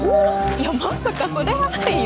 ・いやまさかそれはないよ